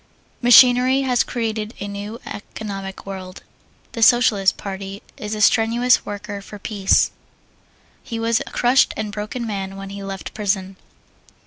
Machinery has created a new economic world. The Socialist Party is a strenuous worker for peace. He was a crushed and broken man when he left prison.